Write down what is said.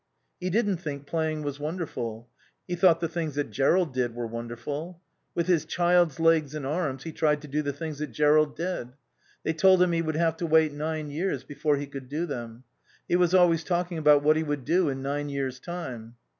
He didn't think playing was wonderful. He thought the things that Jerrold did were wonderful. With his child's legs and arms he tried to do the things that Jerrold did. They told him he would have to wait nine years before he could do them. He was always talking about what he would do in nine years' time.